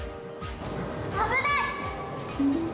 危ない。